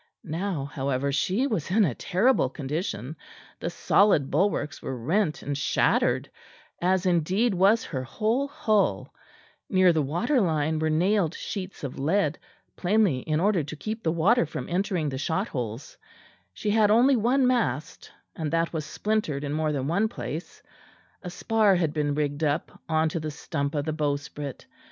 Now, however, she was in a terrible condition. The solid bulwarks were rent and shattered, as indeed was her whole hull; near the waterline were nailed sheets of lead, plainly in order to keep the water from entering the shot holes; she had only one mast; and that was splintered in more than one place; a spar had been rigged up on to the stump of the bowsprit.